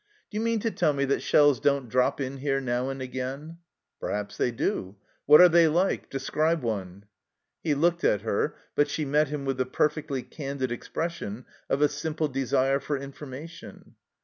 " Do you mean to tell me that shells don't drop in here now and again ?"" Perhaps they do. What are they like ? De scribe one." He looked at her, but she met him with the perfectly candid expression of a simple desire for information.